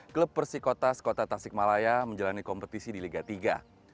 klub persi kota skota tasik malaya menjalani kompetisi di liga tiga